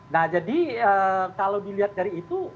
nah jadi kalau dilihat dari itu